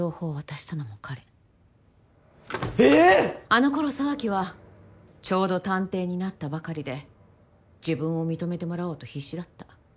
あのころ沢木はちょうど探偵になったばかりで自分を認めてもらおうと必死だった。